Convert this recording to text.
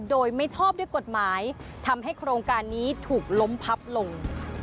โดยไม่ชอบด้วยกฎหมายทำให้โครงการนี้ถูกล้มพับลง